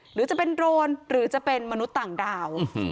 หรือจะเป็นโรนหรือจะเป็นมนุษย์ต่างดาว